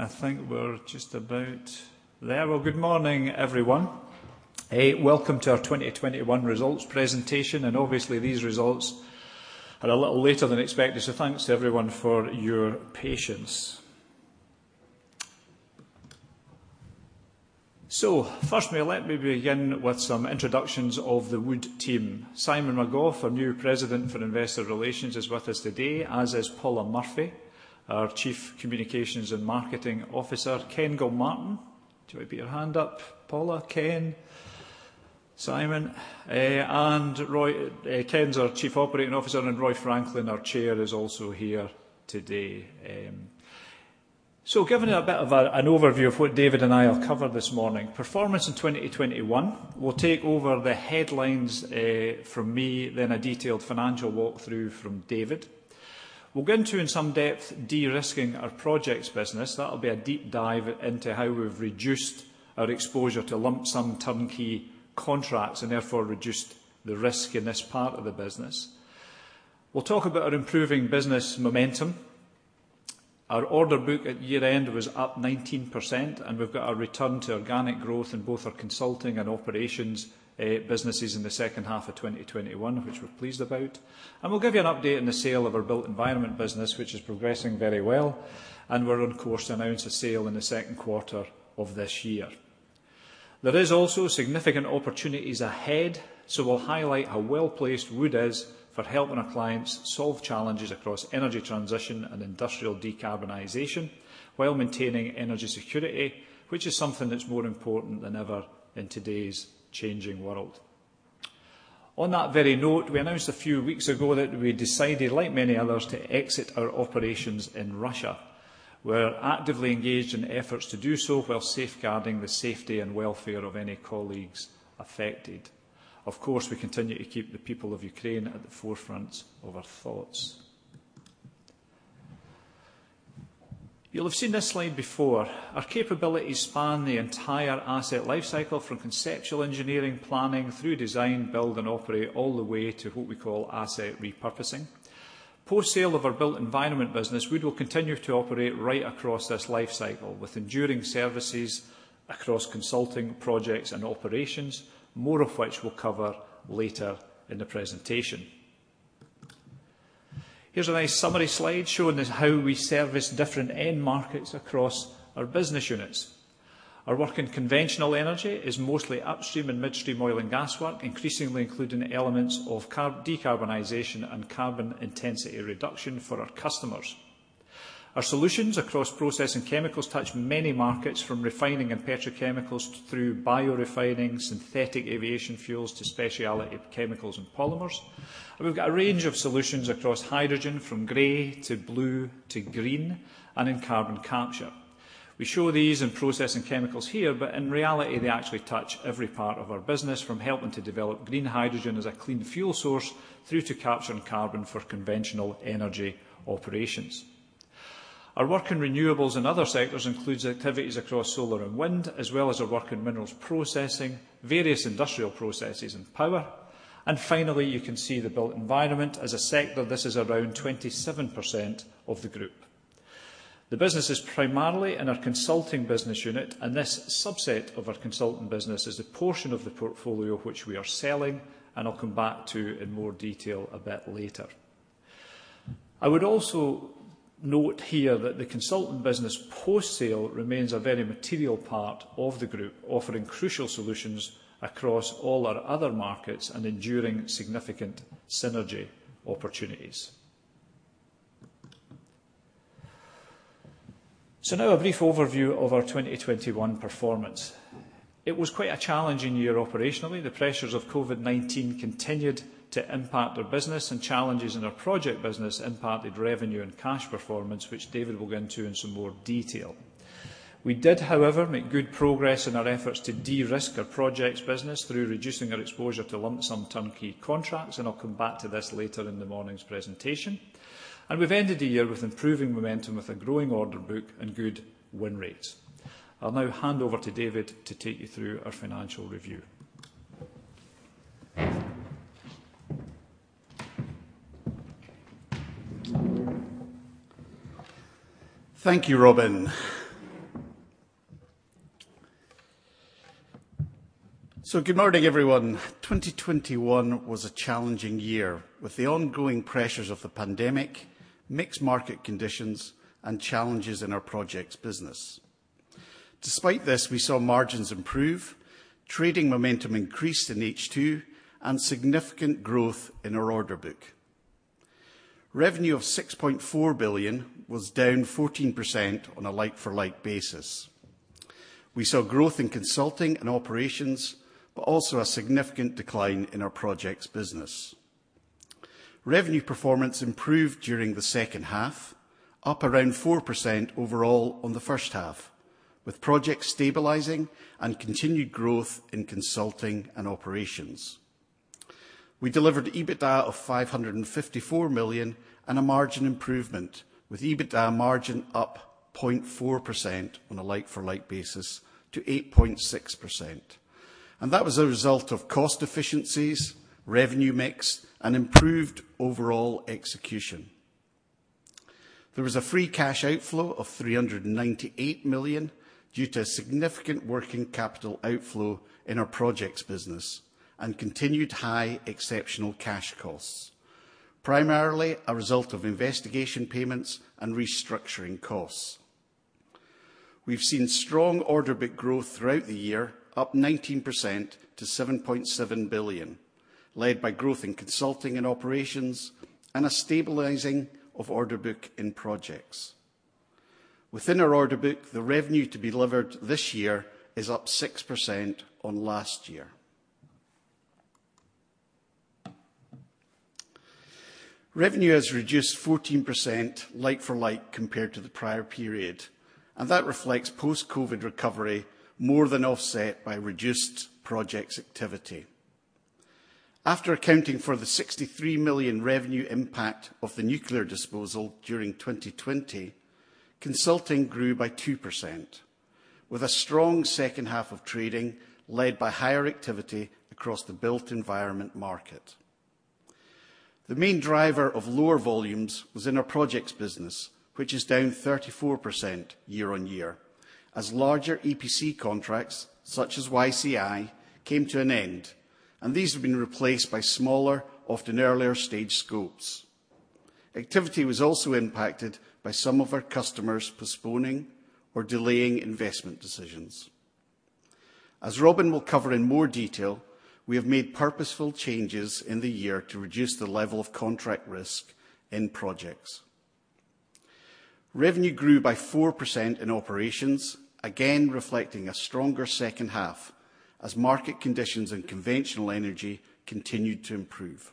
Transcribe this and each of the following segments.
I think we're just about there. Well, good morning, everyone. Welcome to our 2021 results presentation, and obviously these results are a little later than expected, so thanks to everyone for your patience. First, may I begin with some introductions of the Wood team. Simon McGough, our new President for Investor Relations, is with us today, as is Paula Murphy, our Chief Communications and Marketing Officer. Ken Gilmartin. Do you want to put your hand up, Paula? Ken, Simon, and Roy, Ken's our Chief Operating Officer, and then Roy Franklin, our Chair, is also here today. Giving a bit of an overview of what David and I have covered this morning, performance in 2021 will take the headlines from me, then a detailed financial walkthrough from David. We'll get into some depth de-risking our Projects business. That'll be a deep dive into how we've reduced our exposure to lump-sum turnkey contracts, and therefore reduced the risk in this part of the business. We'll talk about our improving business momentum. Our order book at year-end was up 19%, and we've got our return to organic growth in both our Consulting and Operations businesses in the second half of 2021, which we're pleased about. We'll give you an update on the sale of our Built Environment business, which is progressing very well, and we're on course to announce a sale in the second quarter of this year. There is also significant opportunities ahead, so we'll highlight how well-placed Wood is for helping our clients solve challenges across energy transition and industrial decarbonization while maintaining energy security, which is something that's more important than ever in today's changing world. On that very note, we announced a few weeks ago that we decided, like many others, to exit our operations in Russia. We're actively engaged in efforts to do so while safeguarding the safety and welfare of any colleagues affected. Of course, we continue to keep the people of Ukraine at the forefront of our thoughts. You'll have seen this slide before. Our capabilities span the entire asset life cycle from conceptual engineering, planning, through design, build and operate, all the way to what we call asset repurposing. Post-sale of our Built Environment business, Wood will continue to operate right across this life cycle with enduring services across Consulting, Projects and Operations, more of which we'll cover later in the presentation. Here's a nice summary slide showing us how we service different end markets across our business units. Our work in conventional energy is mostly upstream and midstream oil and gas work, increasingly including elements of decarbonization and carbon intensity reduction for our customers. Our solutions across processing chemicals touch many markets from refining and petrochemicals through biorefining, synthetic aviation fuels to speciality chemicals and polymers. We've got a range of solutions across hydrogen from gray to blue to green and in carbon capture. We show these in processing chemicals here, but in reality they actually touch every part of our business from helping to develop green hydrogen as a clean fuel source through to capturing carbon for conventional energy operations. Our work in renewables and other sectors includes activities across solar and wind, as well as our work in minerals processing, various industrial processes and power. Finally, you can see the Built Environment. As a sector, this is around 27% of the group. The business is primarily in our Consulting business unit, and this subset of our Consulting business is a portion of the portfolio which we are selling, and I'll come back to in more detail a bit later. I would also note here that the Consulting business post-sale remains a very material part of the group, offering crucial solutions across all our other markets and enduring significant synergy opportunities. Now a brief overview of our 2021 performance. It was quite a challenging year operationally. The pressures of COVID-19 continued to impact our business and challenges in our Projects business impacted revenue and cash performance, which David will go into in some more detail. We did, however, make good progress in our efforts to de-risk our Projects business through reducing our exposure to lump-sum turnkey contracts, and I'll come back to this later in the morning's presentation. We've ended the year with improving momentum with a growing order book and good win rates. I'll now hand over to David to take you through our financial review. Thank you, Robin. Good morning, everyone. 2021 was a challenging year with the ongoing pressures of the pandemic, mixed market conditions and challenges in our Projects business. Despite this, we saw margins improve, trading momentum increased in H2, and significant growth in our order book. Revenue of $6.4 billion was down 14% on a like-for-like basis. We saw growth in Consulting and Operations, but also a significant decline in our Projects business. Revenue performance improved during the second half, up around 4% overall on the first half, with Projects stabilizing and continued growth in Consulting and Operations. We delivered EBITDA of $554 million and a margin improvement, with EBITDA margin up 0.4% on a like-for-like basis to 8.6%. That was a result of cost efficiencies, revenue mix and improved overall execution. There was a free cash outflow of $398 million due to a significant working capital outflow in our Projects business and continued high exceptional cash costs, primarily a result of investigation payments and restructuring costs. We've seen strong order book growth throughout the year, up 19% to $7.7 billion, led by growth in Consulting and Operations and a stabilizing of order book in Projects. Within our order book, the revenue to be delivered this year is up 6% on last year. Revenue has reduced 14% like for like compared to the prior period, and that reflects post-COVID recovery more than offset by reduced Projects activity. After accounting for the $63 million revenue impact of the nuclear disposal during 2020, Consulting grew by 2%, with a strong second half of trading led by higher activity across the Built Environment market. The main driver of lower volumes was in our Projects business, which is down 34% year-on-year as larger EPC contracts such as YCI came to an end, and these have been replaced by smaller, often earlier stage scopes. Activity was also impacted by some of our customers postponing or delaying investment decisions. As Robin will cover in more detail, we have made purposeful changes in the year to reduce the level of contract risk in Projects. Revenue grew by 4% in Operations, again reflecting a stronger second half as market conditions in conventional energy continued to improve.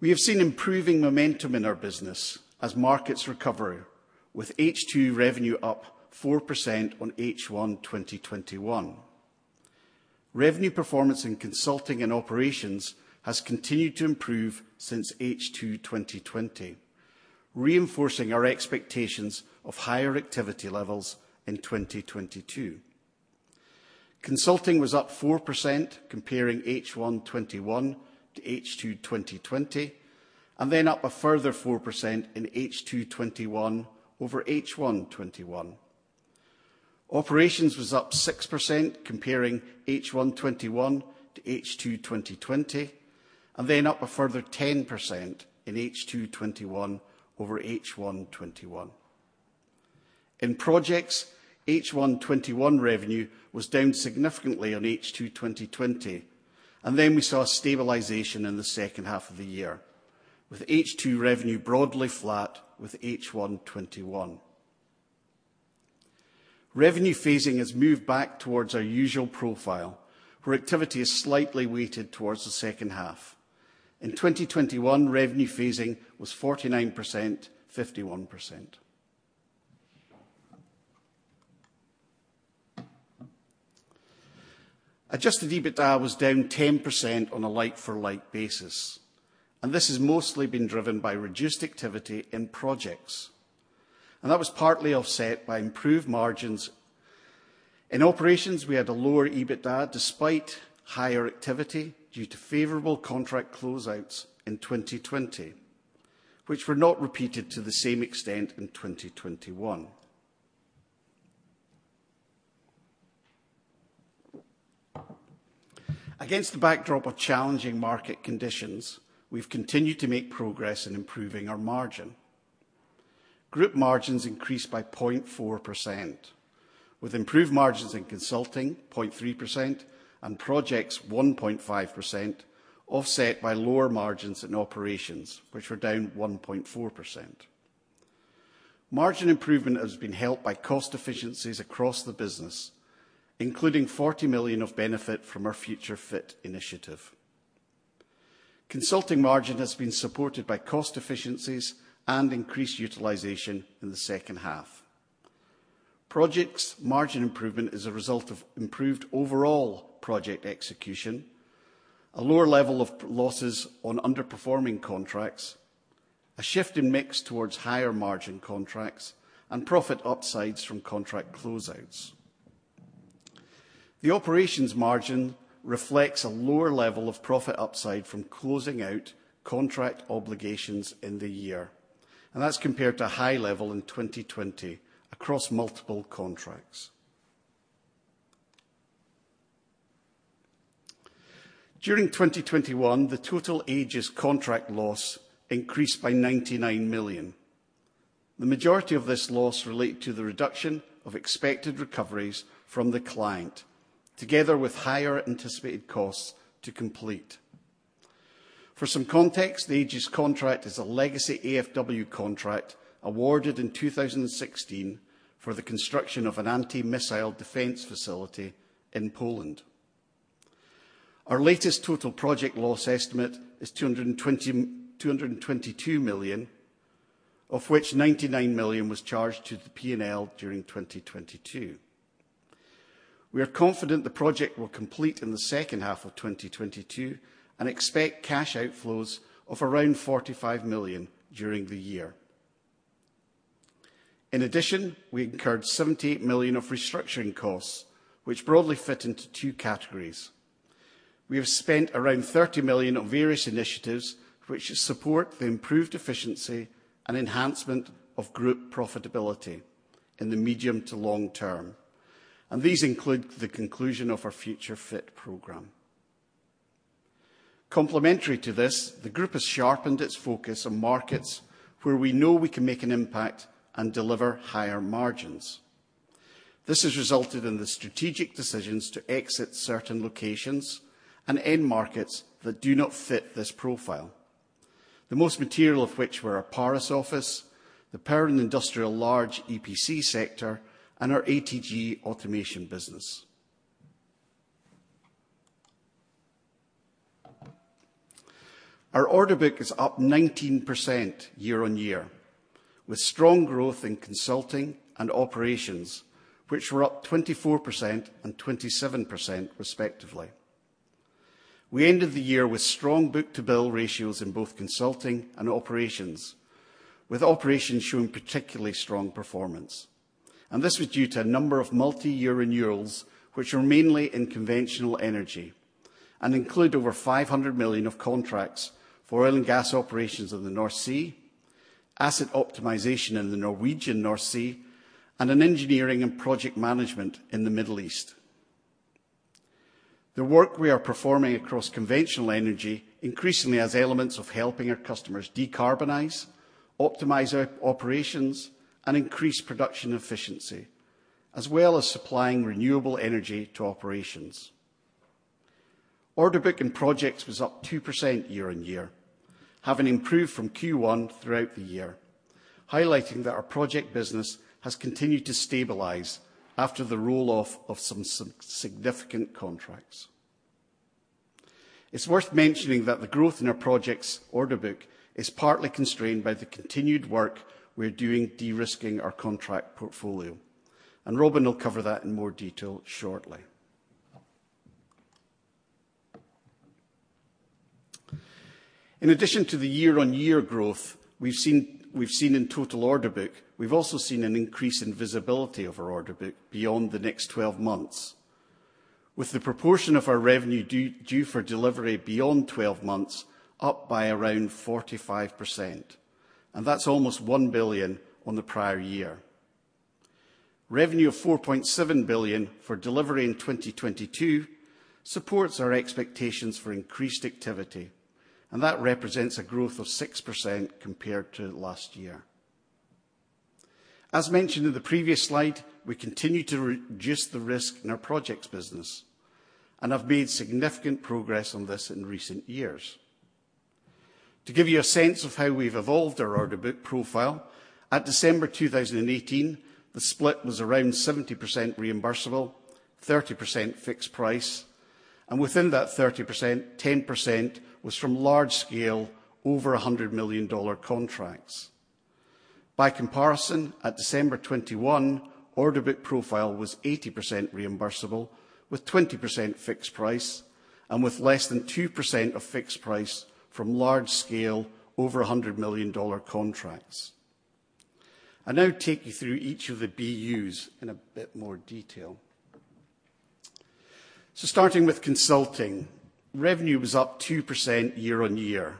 We have seen improving momentum in our business as markets recover, with H2 revenue up 4% on H1 2021. Revenue performance in Consulting and Operations has continued to improve since H2 2020, reinforcing our expectations of higher activity levels in 2022. Consulting was up 4% comparing H1 2021 to H2 2020, and then up a further 4% in H2 2021 over H1 2021. Operations was up 6% comparing H1 2021 to H2 2020, and then up a further 10% in H2 2021 over H1 2021. In Projects, H1 2021 revenue was down significantly on H2 2020, and then we saw a stabilization in the second half of the year, with H2 revenue broadly flat with H1 2021. Revenue phasing has moved back towards our usual profile, where activity is slightly weighted towards the second half. In 2021, revenue phasing was 49%-51%. Adjusted EBITDA was down 10% on a like-for-like basis, and this has mostly been driven by reduced activity in Projects, and that was partly offset by improved margins. In Operations, we had a lower EBITDA despite higher activity due to favorable contract closeouts in 2020, which were not repeated to the same extent in 2021. Against the backdrop of challenging market conditions, we've continued to make progress in improving our margin. Group margins increased by 0.4%, with improved margins in Consulting 0.3% and Projects 1.5% offset by lower margins in Operations, which were down 1.4%. Margin improvement has been helped by cost efficiencies across the business, including £40 million of benefit from our Future Fit initiative. Consulting margin has been supported by cost efficiencies and increased utilization in the second half. Projects margin improvement is a result of improved overall project execution, a lower level of losses on underperforming contracts, a shift in mix towards higher margin contracts and profit upsides from contract closeouts. The Operations margin reflects a lower level of profit upside from closing out contract obligations in the year, and that's compared to a high level in 2020 across multiple contracts. During 2021, the total Aegis contract loss increased by $99 million. The majority of this loss relate to the reduction of expected recoveries from the client, together with higher anticipated costs to complete. For some context, the Aegis contract is a legacy AFW contract awarded in 2016 for the construction of an anti-missile defense facility in Poland. Our latest total project loss estimate is $222 million, of which $99 million was charged to the P&L during 2022. We are confident the project will complete in the second half of 2022 and expect cash outflows of around $45 million during the year. In addition, we incurred $78 million of restructuring costs, which broadly fit into two categories. We have spent around $30 million on various initiatives which support the improved efficiency and enhancement of group profitability in the medium to long term, and these include the conclusion of our Future Fit program. Complementary to this, the group has sharpened its focus on markets where we know we can make an impact and deliver higher margins. This has resulted in the strategic decisions to exit certain locations and end markets that do not fit this profile. The most material of which were our Paris office, the power and industrial large EPC sector and our ATG automation business. Our order book is up 19% year-on-year, with strong growth in Consulting and Operations, which were up 24% and 27% respectively. We ended the year with strong book-to-bill ratios in both Consulting and Operations, with Operations showing particularly strong performance. This was due to a number of multi-year renewals which are mainly in conventional energy and include over $500 million of contracts for oil and gas operations in the North Sea, asset optimization in the Norwegian North Sea and in engineering and project management in the Middle East. The work we are performing across conventional energy increasingly has elements of helping our customers decarbonize, optimize operations, and increase production efficiency, as well as supplying renewable energy to operations. Order book in Projects was up 2% year-on-year, having improved from Q1 throughout the year, highlighting that our Projects business has continued to stabilize after the roll-off of some significant contracts. It's worth mentioning that the growth in our Projects order book is partly constrained by the continued work we're doing de-risking our contract portfolio, and Robin will cover that in more detail shortly. In addition to the year-on-year growth we've seen in total order book, we've also seen an increase in visibility of our order book beyond the next 12 months, with the proportion of our revenue due for delivery beyond 12 months up by around 45%. That's almost 1 billion on the prior year. Revenue of $4.7 billion for delivery in 2022 supports our expectations for increased activity, and that represents a growth of 6% compared to last year. As mentioned in the previous slide, we continue to reduce the risk in our projects business and have made significant progress on this in recent years. To give you a sense of how we've evolved our order book profile, at December 2018, the split was around 70% reimbursable, 30% fixed price, and within that 30%, 10% was from large scale over $100 million contracts. By comparison, at December 2021, order book profile was 80% reimbursable with 20% fixed price and with less than 2% of fixed price from large scale over $100 million contracts. I now take you through each of the BUs in a bit more detail. Starting with Consulting, revenue was up 2% year-on-year.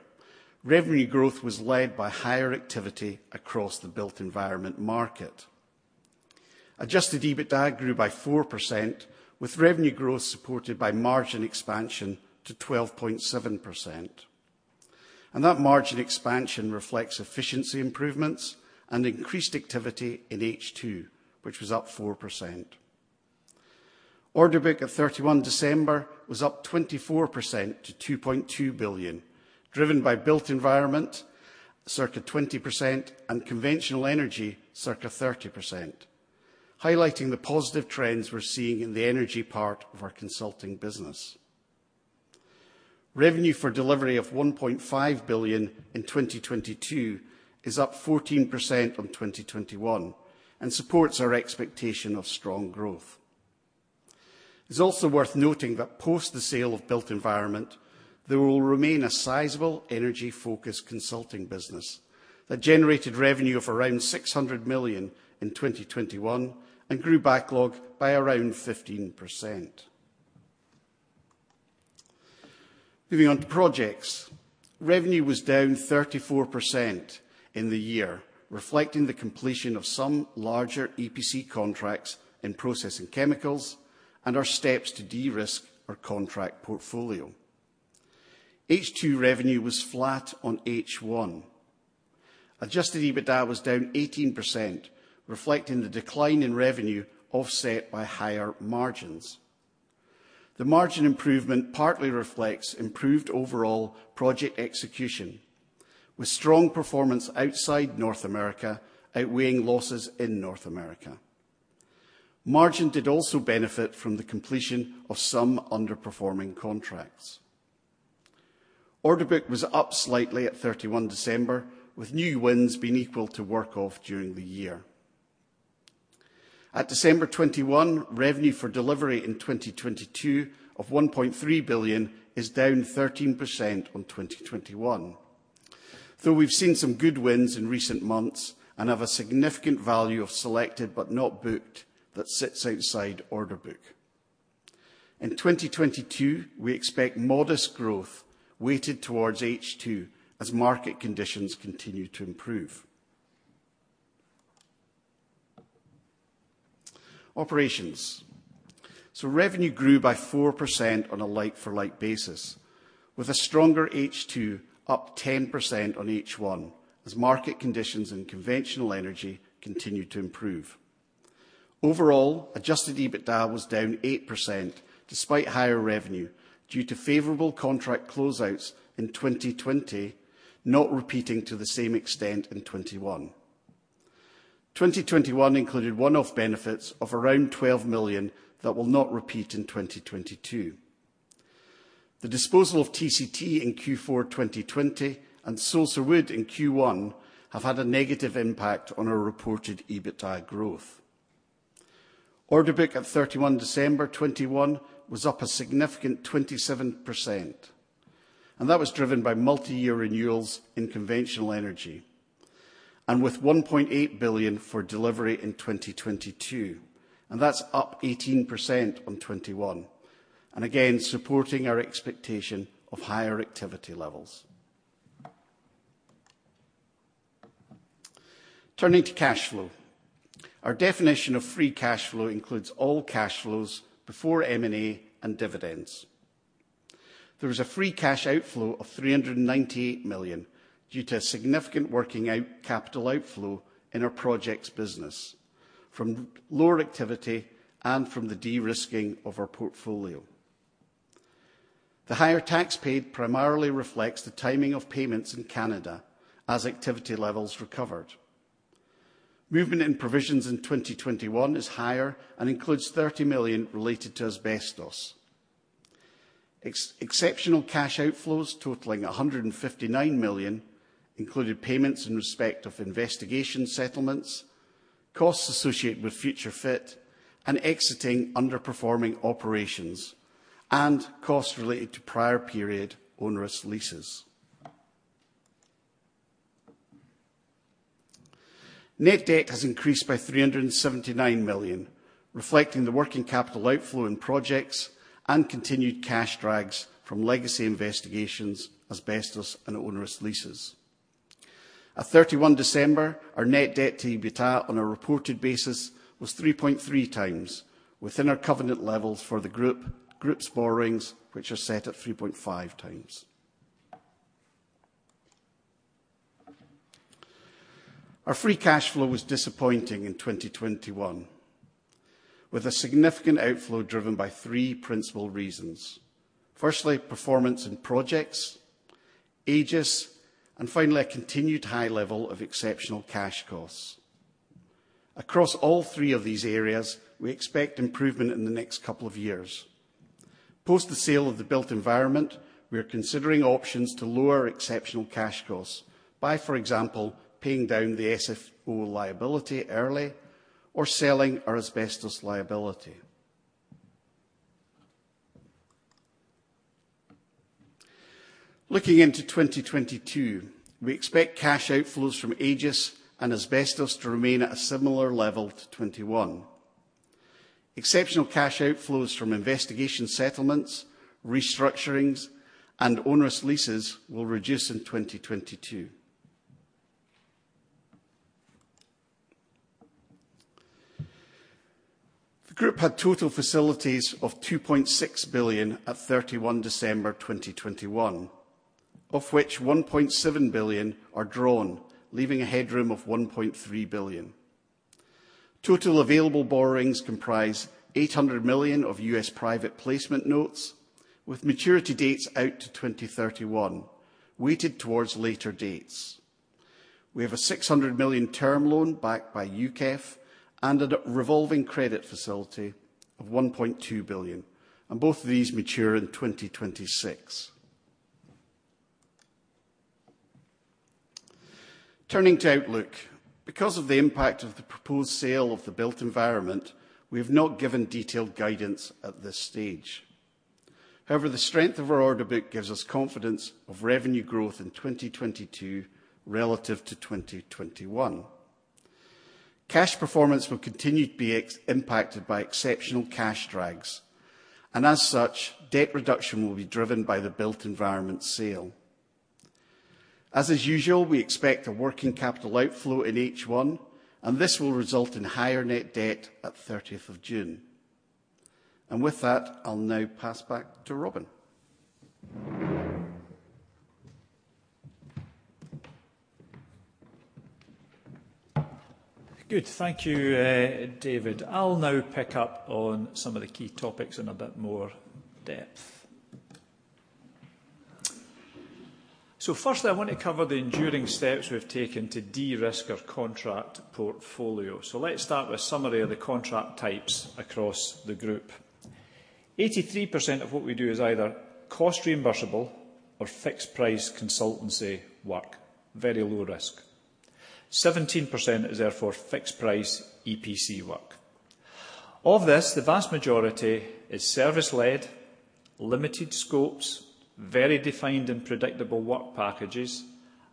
Revenue growth was led by higher activity across the Built Environment market. Adjusted EBITDA grew by 4%, with revenue growth supported by margin expansion to 12.7%. That margin expansion reflects efficiency improvements and increased activity in H2, which was up 4%. Order book at 31 December was up 24% to $2.2 billion, driven by Built Environment circa 20% and conventional energy circa 30%, highlighting the positive trends we're seeing in the energy part of our Consulting business. Revenue for delivery of $1.5 billion in 2022 is up 14% on 2021 and supports our expectation of strong growth. It's also worth noting that post the sale of Built Environment, there will remain a sizable energy-focused consulting business that generated revenue of around $600 million in 2021 and grew backlog by around 15%. Moving on to Projects. Revenue was down 34% in the year, reflecting the completion of some larger EPC contracts in processing chemicals and our steps to de-risk our contract portfolio. H2 revenue was flat on H1. Adjusted EBITDA was down 18%, reflecting the decline in revenue offset by higher margins. The margin improvement partly reflects improved overall project execution, with strong performance outside North America outweighing losses in North America. Margin did also benefit from the completion of some underperforming contracts. Order book was up slightly at 31 December, with new wins being equal to work off during the year. At 31 December 2021, revenue for delivery in 2022 of $1.3 billion is down 13% on 2021. Though we've seen some good wins in recent months and have a significant value of selected but not booked that sits outside order book. In 2022, we expect modest growth weighted towards H2 as market conditions continue to improve. Operations. Revenue grew by 4% on a like-for-like basis, with a stronger H2 up 10% on H1 as market conditions in conventional energy continued to improve. Overall, adjusted EBITDA was down 8% despite higher revenue due to favorable contract closeouts in 2020 not repeating to the same extent in 2021. 2021 included one-off benefits of around $12 million that will not repeat in 2022. The disposal of TCT in Q4 2020 and Sulzer Wood in Q1 have had a negative impact on our reported EBITDA growth. Order book at 31 December 2021 was up a significant 27%, and that was driven by multi-year renewals in conventional energy, and with $1.8 billion for delivery in 2022, and that's up 18% on 2021, and again supporting our expectation of higher activity levels. Turning to cash flow. Our definition of free cash flow includes all cash flows before M&A and dividends. There was a free cash outflow of $398 million due to a significant working capital outflow in our projects business from lower activity and from the de-risking of our portfolio. The higher tax paid primarily reflects the timing of payments in Canada as activity levels recovered. Movement in provisions in 2021 is higher and includes $30 million related to asbestos. Exceptional cash outflows totaling $159 million included payments in respect of investigation settlements, costs associated with Future Fit, and exiting underperforming operations, and costs related to prior period onerous leases. Net debt has increased by $379 million, reflecting the working capital outflow in Projects and continued cash drags from legacy investigations, asbestos, and onerous leases. At 31 December, our net debt to EBITDA on a reported basis was 3.3x within our covenant levels for the group's borrowings, which are set at 3.5x. Our free cash flow was disappointing in 2021, with a significant outflow driven by three principal reasons. Firstly, performance in Projects, Aegis, and finally, a continued high level of exceptional cash costs. Across all three of these areas, we expect improvement in the next couple of years. Post the sale of the Built Environment, we are considering options to lower exceptional cash costs by, for example, paying down the SFO liability early or selling our asbestos liability. Looking into 2022, we expect cash outflows from Aegis and asbestos to remain at a similar level to 2021. Exceptional cash outflows from investigation settlements, restructurings, and onerous leases will reduce in 2022. The group had total facilities of $2.6 billion at 31 December 2021, of which $1.7 billion are drawn, leaving a headroom of $1.3 billion. Total available borrowings comprise $800 million of U.S. private placement notes, with maturity dates out to 2031, weighted towards later dates. We have a $600 million term loan backed by UKEF and a revolving credit facility of $1.2 billion, and both of these mature in 2026. Turning to outlook. Because of the impact of the proposed sale of the Built Environment, we have not given detailed guidance at this stage. However, the strength of our order book gives us confidence of revenue growth in 2022 relative to 2021. Cash performance will continue to be impacted by exceptional cash drags, and as such, debt reduction will be driven by the Built Environment sale. As is usual, we expect a working capital outflow in H1, and this will result in higher net debt at June 30. With that, I'll now pass back to Robin. Good. Thank you, David. I'll now pick up on some of the key topics in a bit more depth. Firstly, I want to cover the enduring steps we've taken to de-risk our contract portfolio. Let's start with a summary of the contract types across the group. 83% of what we do is either cost reimbursable or fixed price consultancy work, very low risk. 17% is therefore fixed price EPC work. Of this, the vast majority is service led, limited scopes, very defined and predictable work packages,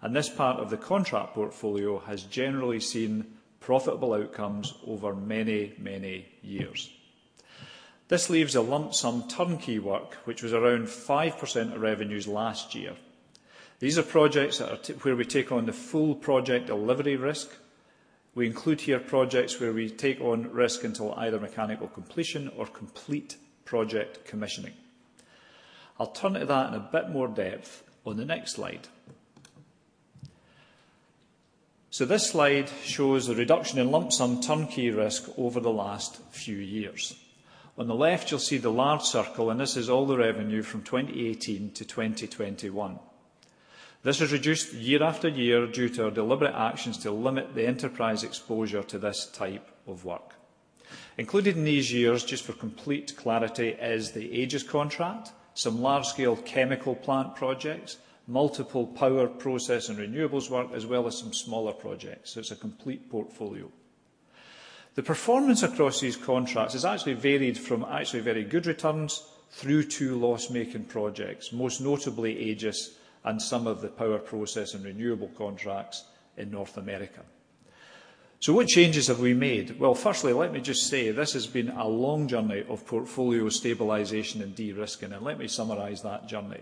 and this part of the contract portfolio has generally seen profitable outcomes over many, many years. This leaves a lump sum turnkey work, which was around 5% of revenues last year. These are projects where we take on the full project delivery risk. We include here projects where we take on risk until either mechanical completion or complete project commissioning. I'll turn to that in a bit more depth on the next slide. This slide shows a reduction in lump-sum turnkey risk over the last few years. On the left, you'll see the large circle, and this is all the revenue from 2018 to 2021. This has reduced year after year due to our deliberate actions to limit the enterprise exposure to this type of work. Included in these years, just for complete clarity, is the Aegis contract, some large-scale chemical plant projects, multiple power process and renewables work, as well as some smaller projects. It's a complete portfolio. The performance across these contracts has actually varied from actually very good returns through to loss-making projects, most notably Aegis and some of the power process and renewable contracts in North America. What changes have we made? Well, firstly, let me just say this has been a long journey of portfolio stabilization and de-risking, and let me summarize that journey.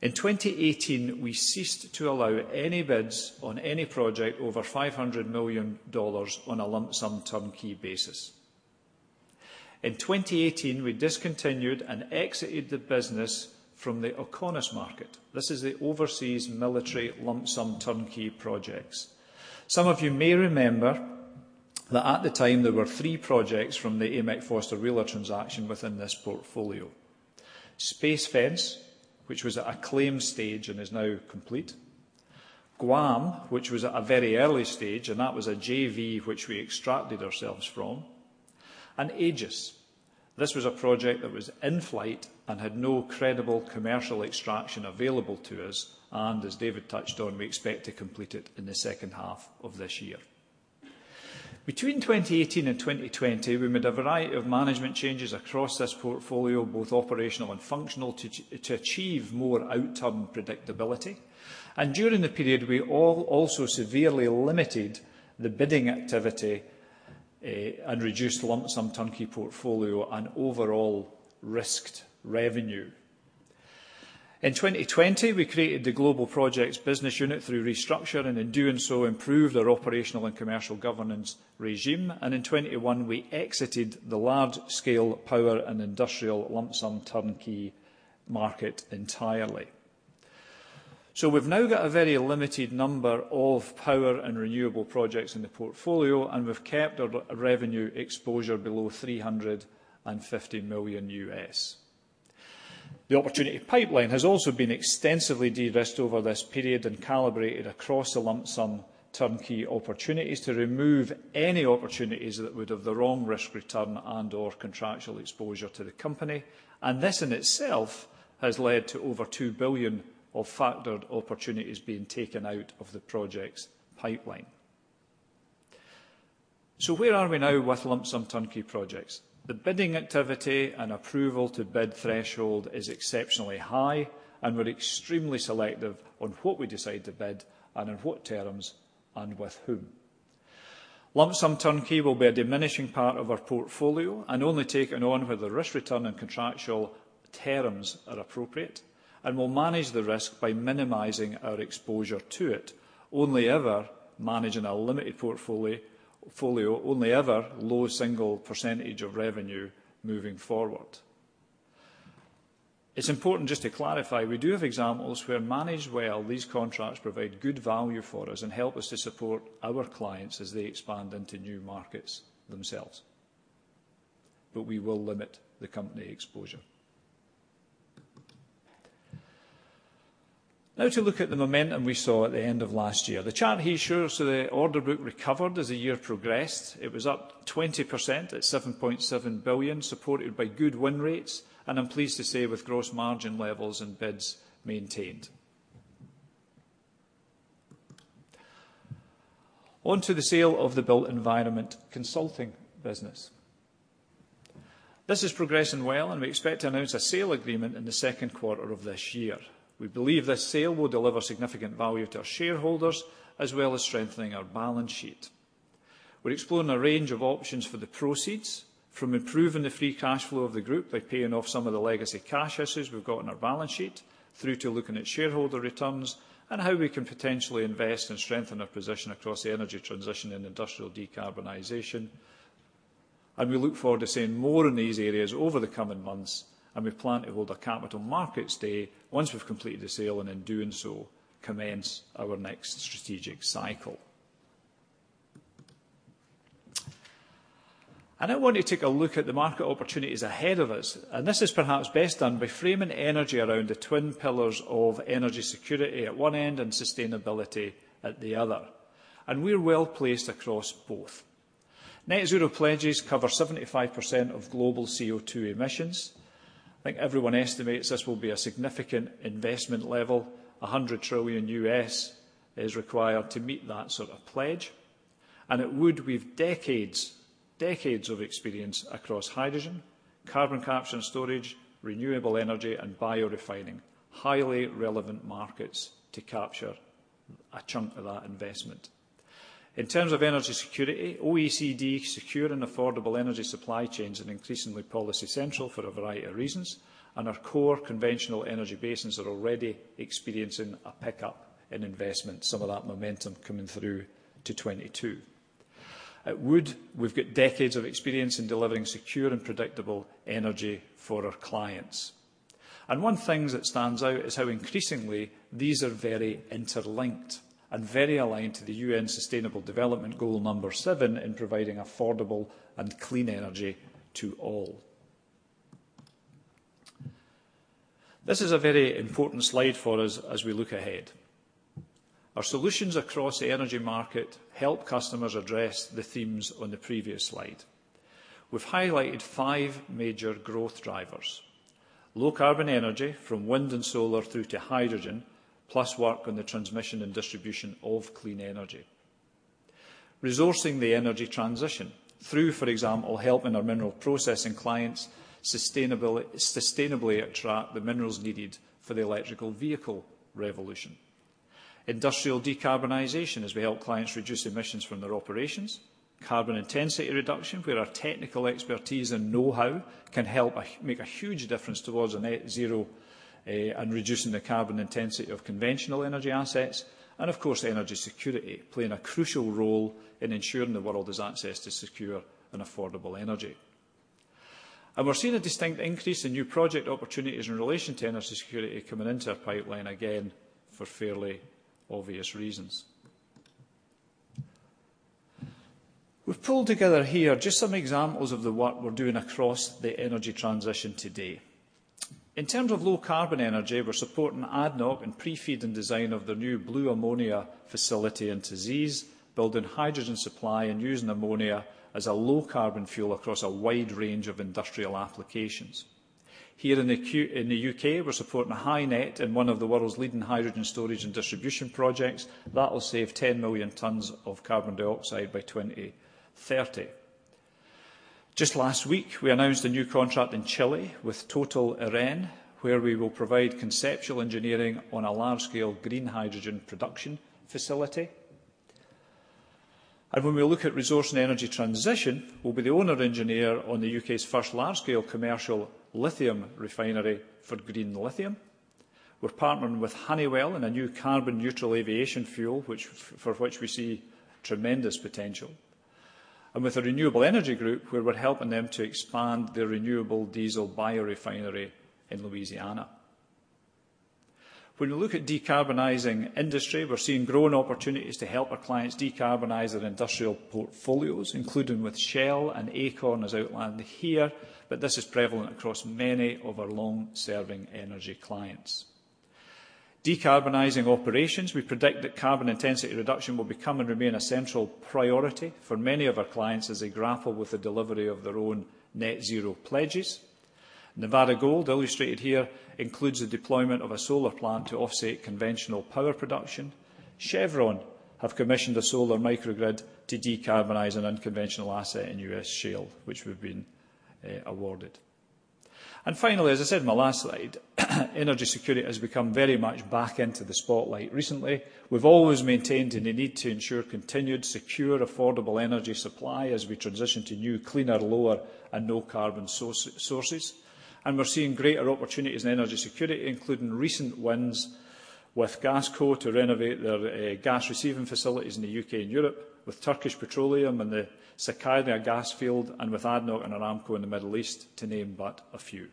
In 2018, we ceased to allow any bids on any project over $500 million on a lump-sum turnkey basis. In 2018, we discontinued and exited the business from the OCONUS market. This is the overseas military lump-sum turnkey projects. Some of you may remember that at the time, there were three projects from the Amec Foster Wheeler transaction within this portfolio. Space Fence, which was at a claim stage and is now complete. Guam, which was at a very early stage, and that was a JV which we extracted ourselves from. Aegis, this was a project that was in flight and had no credible commercial extraction available to us, and as David touched on, we expect to complete it in the second half of this year. Between 2018 and 2020, we made a variety of management changes across this portfolio, both operational and functional, to achieve more outturn predictability. During the period, we also severely limited the bidding activity, and reduced lump-sum turnkey portfolio and overall risked revenue. In 2020, we created the global Projects business unit through restructuring, and in doing so, improved our operational and commercial governance regime. In 2021, we exited the large-scale power and industrial lump-sum turnkey market entirely. We've now got a very limited number of power and renewable projects in the portfolio, and we've kept our revenue exposure below $350 million. The opportunity pipeline has also been extensively de-risked over this period and calibrated across the lump-sum turnkey opportunities to remove any opportunities that would have the wrong risk return and/or contractual exposure to the company. This in itself has led to over $2 billion of factored opportunities being taken out of the project's pipeline. Where are we now with lump-sum turnkey projects? The bidding activity and approval to bid threshold is exceptionally high, and we're extremely selective on what we decide to bid and on what terms and with whom. Lump-sum turnkey will be a diminishing part of our portfolio and only taken on where the risk return and contractual terms are appropriate. We'll manage the risk by minimizing our exposure to it, only ever managing a limited portfolio, only ever low single percentage of revenue moving forward. It's important just to clarify, we do have examples where, managed well, these contracts provide good value for us and help us to support our clients as they expand into new markets themselves. We will limit the company exposure. Now to look at the momentum we saw at the end of last year. The chart here shows the order book recovered as the year progressed. It was up 20% at $7.7 billion, supported by good win rates, and I'm pleased to say with gross margin levels and bids maintained. On to the sale of the Built Environment consulting business. This is progressing well, and we expect to announce a sale agreement in the second quarter of this year. We believe this sale will deliver significant value to our shareholders as well as strengthening our balance sheet. We're exploring a range of options for the proceeds, from improving the free cash flow of the group by paying off some of the legacy cash issues we've got on our balance sheet, through to looking at shareholder returns and how we can potentially invest and strengthen our position across the energy transition and industrial decarbonization. We look forward to seeing more in these areas over the coming months, and we plan to hold a capital markets day once we've completed the sale, and in doing so, commence our next strategic cycle. I want to take a look at the market opportunities ahead of us, and this is perhaps best done by framing energy around the twin pillars of energy security at one end and sustainability at the other. We're well-placed across both. Net zero pledges cover 75% of global CO2 emissions. I think everyone estimates this will be a significant investment level. $100 trillion is required to meet that sort of pledge, and at Wood with decades of experience across hydrogen, carbon capture and storage, renewable energy and biorefining, highly relevant markets to capture a chunk of that investment. In terms of energy security, OECD, secure and affordable energy supply chains are increasingly policy central for a variety of reasons, and our core conventional energy basins are already experiencing a pickup in investment, some of that momentum coming through to 2022. At Wood, we've got decades of experience in delivering secure and predictable energy for our clients. One of the things that stands out is how increasingly these are very interlinked and very aligned to the UN Sustainable Development Goal 7 in providing affordable and clean energy to all. This is a very important slide for us as we look ahead. Our solutions across the energy market help customers address the themes on the previous slide. We've highlighted five major growth drivers, low carbon energy from wind and solar through to hydrogen, plus work on the transmission and distribution of clean energy. Resourcing the energy transition through, for example, helping our mineral processing clients sustainably extract the minerals needed for the electric vehicle revolution. Industrial decarbonization, as we help clients reduce emissions from their operations. Carbon intensity reduction, where our technical expertise and know-how can help make a huge difference towards a net zero, and reducing the carbon intensity of conventional energy assets. Of course, energy security, playing a crucial role in ensuring the world has access to secure and affordable energy. We're seeing a distinct increase in new project opportunities in relation to energy security coming into our pipeline, again, for fairly obvious reasons. We've pulled together here just some examples of the work we're doing across the energy transition today. In terms of low carbon energy, we're supporting ADNOC in pre-FEED and design of their new blue ammonia facility in TA'ZIZ, building hydrogen supply and using ammonia as a low carbon fuel across a wide range of industrial applications. Here in the U.K., we're supporting HyNet in one of the world's leading hydrogen storage and distribution projects. That'll save 10 million tons of carbon dioxide by 2030. Just last week, we announced a new contract in Chile with Total Eren, where we will provide conceptual engineering on a large-scale green hydrogen production facility. When we look at resourcing energy transition, we'll be the owner engineer on the U.K.'s first large-scale commercial lithium refinery for Green Lithium. We're partnering with Honeywell in a new carbon-neutral aviation fuel, which for which we see tremendous potential, and with the Renewable Energy Group, where we're helping them to expand their renewable diesel biorefinery in Louisiana. When we look at decarbonizing industry, we're seeing growing opportunities to help our clients decarbonize their industrial portfolios, including with Shell and Acorn, as outlined here, but this is prevalent across many of our long-serving energy clients. Decarbonizing operations, we predict that carbon intensity reduction will become and remain a central priority for many of our clients as they grapple with the delivery of their own net zero pledges. Nevada Gold, illustrated here, includes the deployment of a solar plant to offset conventional power production. Chevron have commissioned a solar microgrid to decarbonize an unconventional asset in U.S. shale, which we've been awarded. Finally, as I said in my last slide, energy security has become very much back into the spotlight recently. We've always maintained the need to ensure continued, secure, affordable energy supply as we transition to new, cleaner, lower- and no-carbon sources. We're seeing greater opportunities in energy security, including recent wins with Gasco to renovate their gas receiving facilities in the U.K. and Europe, with Turkish Petroleum in the Sakarya gas field, and with ADNOC and Aramco in the Middle East, to name but a few.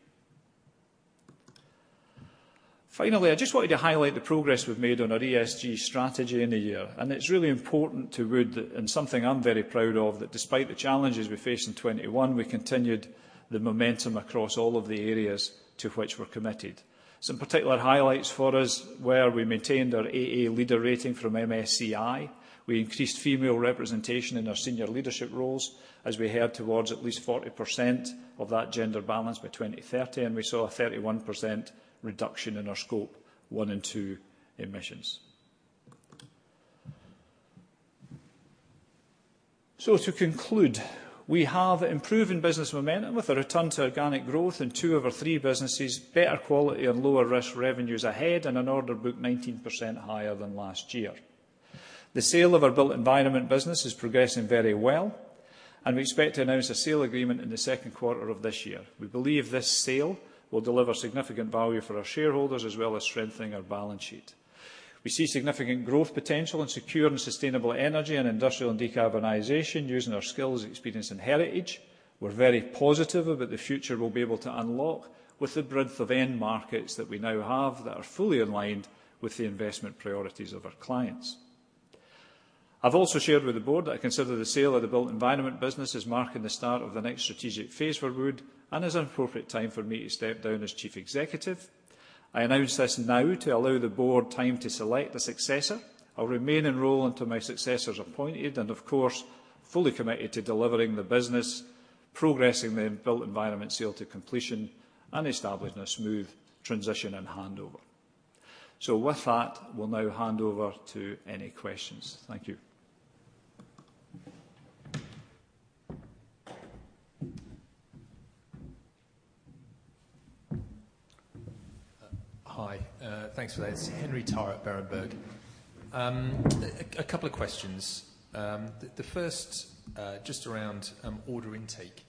Finally, I just wanted to highlight the progress we've made on our ESG strategy in a year, and it's really important to Wood, and something I'm very proud of, that despite the challenges we faced in 2021, we continued the momentum across all of the areas to which we're committed. Some particular highlights for us were we maintained our AA leader rating from MSCI. We increased female representation in our senior leadership roles as we head towards at least 40% of that gender balance by 2030, and we saw a 31% reduction in our Scope 1 and 2 emissions. To conclude, we have improving business momentum with a return to organic growth in two of our three businesses, better quality and lower risk revenues ahead, and an order book 19% higher than last year. The sale of our Built Environment business is progressing very well, and we expect to announce a sale agreement in the second quarter of this year. We believe this sale will deliver significant value for our shareholders, as well as strengthening our balance sheet. We see significant growth potential in secure and sustainable energy and industrial and decarbonization using our skills, experience and heritage. We're very positive about the future we'll be able to unlock with the breadth of end markets that we now have that are fully aligned with the investment priorities of our clients. I've also shared with the Board that I consider the sale of the Built Environment business as marking the start of the next strategic phase for Wood and is an appropriate time for me to step down as Chief Executive. I announce this now to allow the Board time to select a successor. I'll remain in role until my successor's appointed and, of course, fully committed to delivering the business. Progressing the Built Environment sale to completion and establishing a smooth transition and handover. With that, we'll now hand over to any questions. Thank you. Hi, thanks for this. Henry Tarr at Berenberg. A couple of questions. The first just around order intake.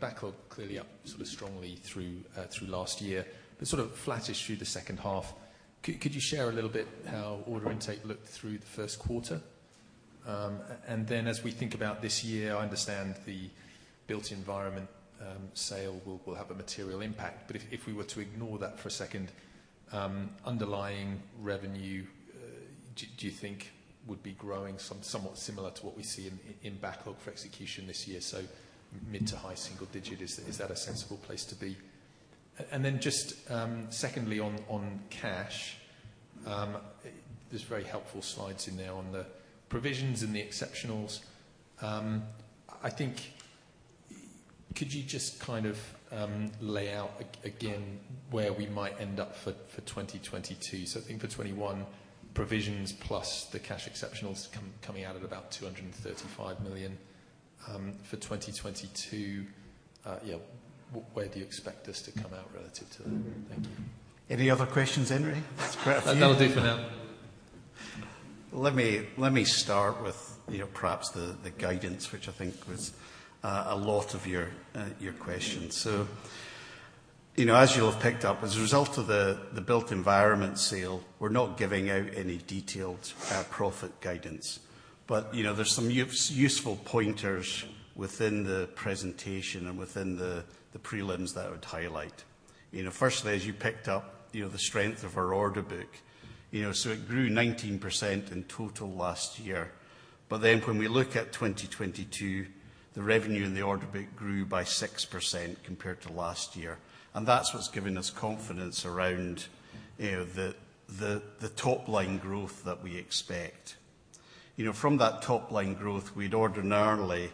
Backlog clearly up sort of strongly through last year, but sort of flattish through the second half. Could you share a little bit how order intake looked through the first quarter? Then as we think about this year, I understand the Built Environment sale will have a material impact. If we were to ignore that for a second, underlying revenue do you think would be growing somewhat similar to what we see in backlog for execution this year? Mid- to high-single-digit, is that a sensible place to be? Then just secondly on cash. There's very helpful slides in there on the provisions and the exceptionals. I think could you just kind of lay out again where we might end up for 2022? I think for 2021, provisions plus the cash exceptionals coming out at about $235 million. For 2022, yeah, where do you expect this to come out relative to that? Thank you. Any other questions, Henry? It's great to see you. That'll do for now. Let me start with, you know, perhaps the guidance, which I think was a lot of your question. As you'll have picked up, as a result of the Built Environment sale, we're not giving out any detailed profit guidance. You know, there's some useful pointers within the presentation and within the prelims that I would highlight. You know, firstly, as you picked up, you know, the strength of our order book. It grew 19% in total last year. When we look at 2022, the revenue in the order book grew by 6% compared to last year, and that's what's given us confidence around, you know, the top-line growth that we expect. You know, from that top-line growth, we'd ordinarily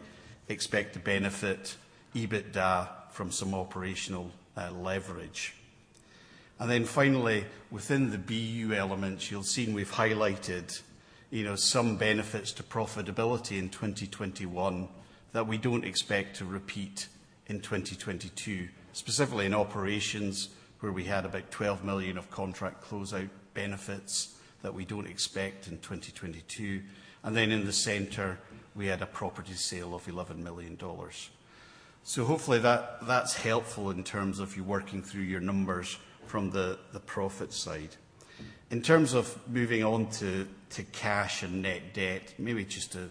expect to benefit EBITDA from some operational leverage. Then finally, within the BU elements, you'll have seen we've highlighted, you know, some benefits to profitability in 2021 that we don't expect to repeat in 2022, specifically in Operations, where we had about $12 million of contract closeout benefits that we don't expect in 2022. Then in the center, we had a property sale of $11 million. Hopefully that that's helpful in terms of you working through your numbers from the profit side. In terms of moving on to cash and net debt, maybe just to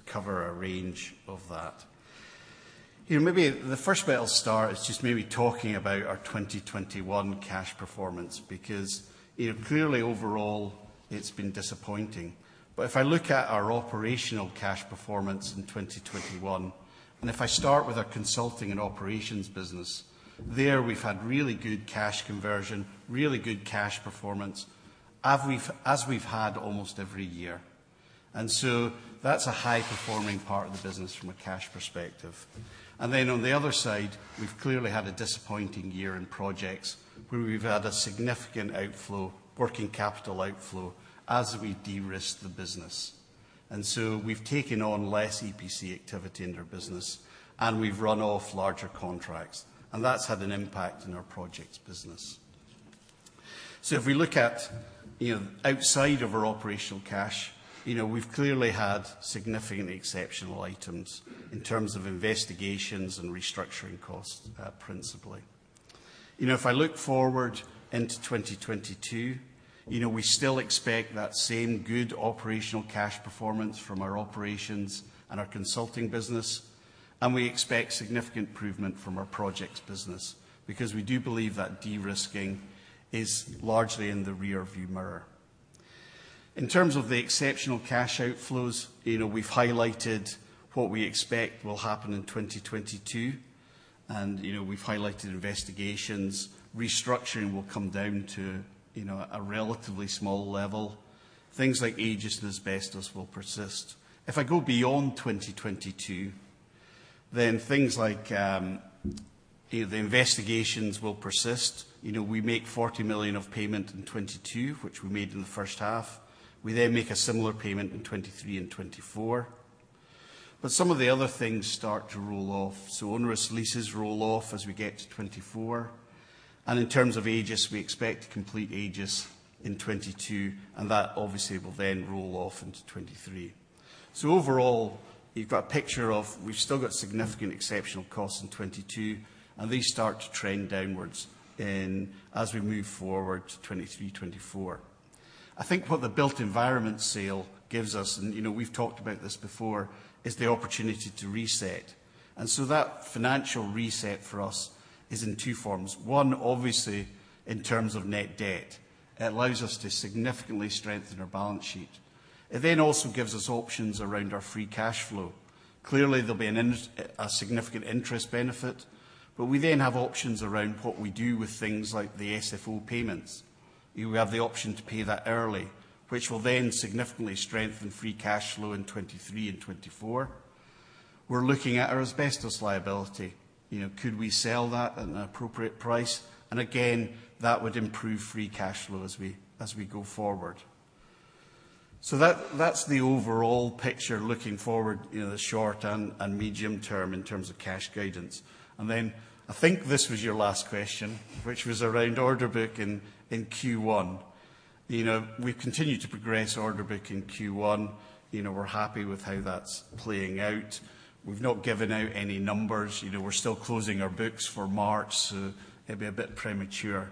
cover a range of that. You know, maybe the first bit I'll start is just talking about our 2021 cash performance because, you know, clearly overall it's been disappointing. If I look at our operational cash performance in 2021, and if I start with our Consulting and Operations business, there we've had really good cash conversion, really good cash performance, as we've had almost every year. That's a high-performing part of the business from a cash perspective. Then on the other side, we've clearly had a disappointing year in Projects where we've had a significant outflow, working capital outflow, as we de-risk the business. We've taken on less EPC activity in our business, and we've run off larger contracts, and that's had an impact in our Projects business. If we look at, you know, outside of our operational cash, you know, we've clearly had significant exceptional items in terms of investigations and restructuring costs, principally. You know, if I look forward into 2022, you know, we still expect that same good operational cash performance from our operations and our consulting business, and we expect significant improvement from our projects business because we do believe that de-risking is largely in the rear view mirror. In terms of the exceptional cash outflows, you know, we've highlighted what we expect will happen in 2022, and, you know, we've highlighted investigations. Restructuring will come down to, you know, a relatively small level. Things like Aegis and asbestos will persist. If I go beyond 2022, then things like, you know, the investigations will persist. You know, we make $40 million payment in 2022, which we made in the first half. We then make a similar payment in 2023 and 2024. But some of the other things start to roll off. Onerous leases roll off as we get to 2024. In terms of Aegis, we expect to complete Aegis in 2022, and that obviously will then roll off into 2023. Overall, you've got a picture of, we've still got significant exceptional costs in 2022, and these start to trend downwards in, as we move forward to 2023, 2024. I think what the Built Environment sale gives us, and, you know, we've talked about this before, is the opportunity to reset. That financial reset for us is in two forms. One, obviously in terms of net debt. It allows us to significantly strengthen our balance sheet. It then also gives us options around our free cash flow. Clearly, there'll be a significant interest benefit, but we then have options around what we do with things like the SFO payments. We have the option to pay that early, which will then significantly strengthen free cash flow in 2023 and 2024. We're looking at our asbestos liability. You know, could we sell that at an appropriate price? Again, that would improve free cash flow as we go forward. That, that's the overall picture looking forward, you know, the short and medium term in terms of cash guidance. Then I think this was your last question, which was around order book in Q1. You know, we've continued to progress order book in Q1. You know, we're happy with how that's playing out. We've not given out any numbers. You know, we're still closing our books for March, so it'd be a bit premature.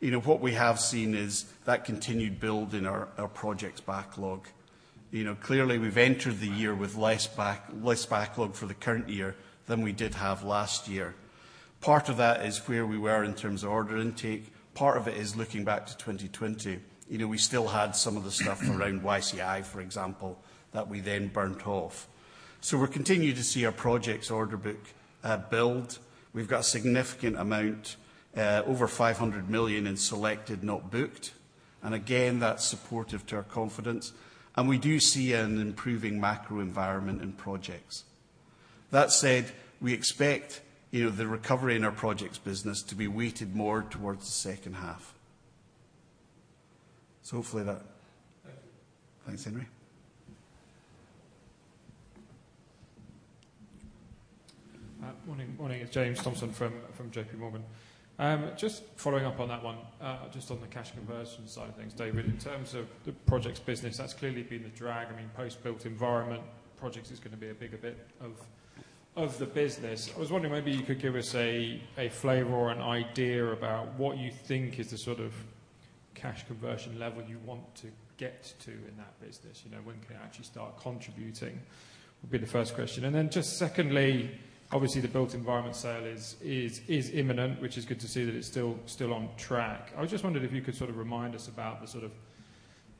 You know, what we have seen is that continued build in our Projects backlog. You know, clearly we've entered the year with less backlog for the current year than we did have last year. Part of that is where we were in terms of order intake. Part of it is looking back to 2020. You know, we still had some of the stuff around YCI, for example, that we then burnt off. We're continuing to see our Projects order book build. We've got a significant amount over $500 million in selected but not booked. Again, that's supportive to our confidence. We do see an improving macro environment in Projects. That said, we expect, you know, the recovery in our Projects business to be weighted more towards the second half. Hopefully that. Thank you. Thanks, Henry. Morning, it's James Thompson from JPMorgan. Just following up on that one, just on the cash conversion side of things, David. In terms of the Projects business, that's clearly been the drag. I mean, post-Built Environment Projects is gonna be a bigger bit of the business. I was wondering maybe you could give us a flavor or an idea about what you think is the sort of cash conversion level you want to get to in that business. You know, when can it actually start contributing, would be the first question. Just secondly, obviously the Built Environment sale is imminent, which is good to see that it's still on track. I was just wondering if you could sort of remind us about the sort of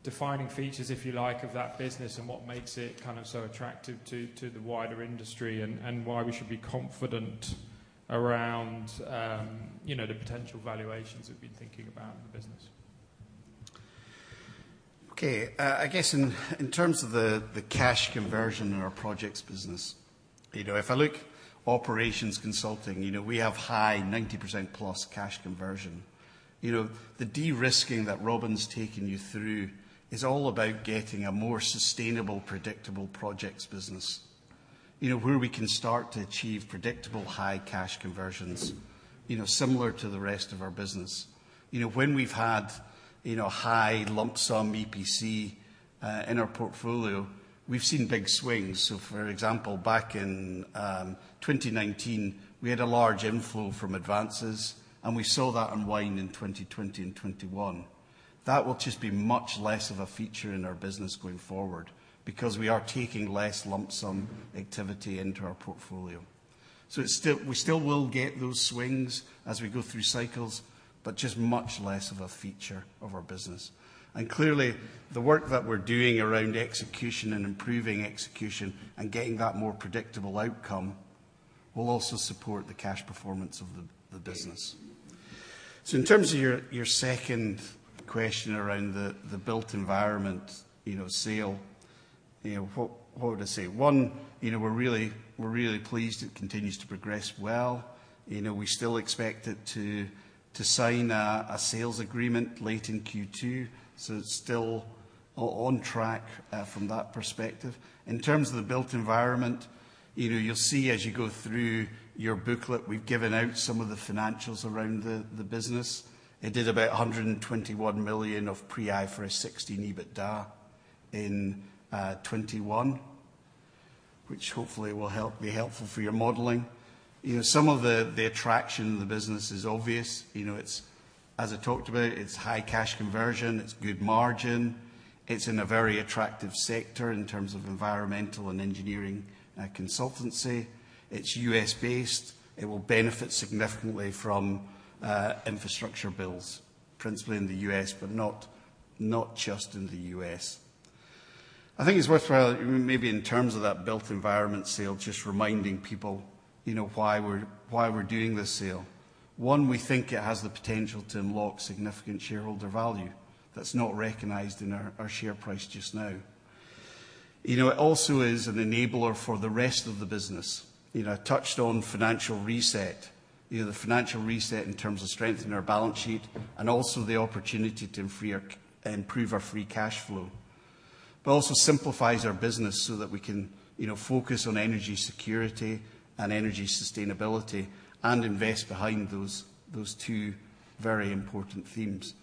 defining features, if you like, of that business and what makes it kind of so attractive to the wider industry and why we should be confident around, you know, the potential valuations we've been thinking about in the business. Okay. I guess in terms of the cash conversion in our Projects business, you know, if I look Operations Consulting, you know, we have high 90% plus cash conversion. You know, the de-risking that Robin's taken you through is all about getting a more sustainable, predictable Projects business, you know, where we can start to achieve predictable high cash conversions, you know, similar to the rest of our business. You know, when we've had, you know, high lump sum EPC in our portfolio, we've seen big swings. For example, back in 2019, we had a large inflow from advances, and we saw that unwind in 2020 and 2021. That will just be much less of a feature in our business going forward because we are taking less lump sum activity into our portfolio. It's still, we still will get those swings as we go through cycles, but just much less of a feature of our business. Clearly, the work that we're doing around execution and improving execution and getting that more predictable outcome will also support the cash performance of the business. In terms of your second question around the Built Environment, you know, sale, you know, what would I say? One, you know, we're really pleased it continues to progress well. You know, we still expect it to sign a sales agreement late in Q2, so it's still on track from that perspective. In terms of the Built Environment, you know, you'll see as you go through your booklet, we've given out some of the financials around the business. It did about $121 million of pre-IFRS 16 EBITDA in 2021, which hopefully will be helpful for your modeling. You know, some of the attraction of the business is obvious. You know, as I talked about, it's high cash conversion. It's good margin. It's in a very attractive sector in terms of environmental and engineering consultancy. It's U.S.-based. It will benefit significantly from infrastructure bills, principally in the U.S., but not just in the U.S. I think it's worthwhile maybe in terms of that Built Environment sale, just reminding people, you know, why we're doing this sale. One, we think it has the potential to unlock significant shareholder value that's not recognized in our share price just now. You know, it also is an enabler for the rest of the business. You know, I touched on financial reset. You know, the financial reset in terms of strengthening our balance sheet and also the opportunity to improve our free cash flow. Also simplifies our business so that we can, you know, focus on energy security and energy sustainability and invest behind those two very important themes.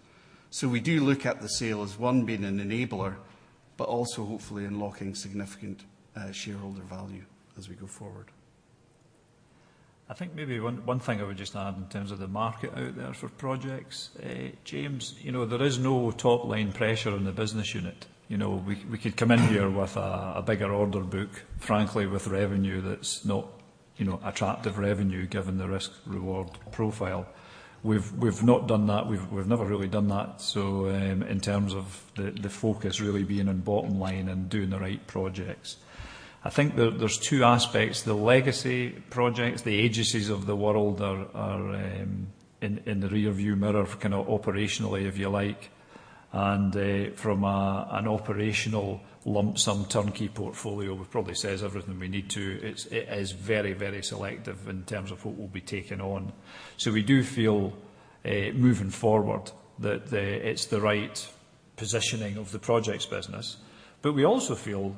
We do look at the sale as one, being an enabler, but also hopefully unlocking significant shareholder value as we go forward. I think maybe one thing I would just add in terms of the market out there for projects, James. You know, there is no top-line pressure on the business unit. You know, we could come in here with a bigger order book, frankly with revenue that's not, you know, attractive revenue given the risk-reward profile. We've not done that. We've never really done that, so in terms of the focus really being on bottom line and doing the right projects. I think there's two aspects. The legacy projects, the agencies of the world are in the rear view mirror kind of operationally, if you like. From an operational lump-sum turnkey portfolio, which probably says everything we need to, it is very, very selective in terms of what will be taken on. We do feel moving forward that it's the right positioning of the Projects business. We also feel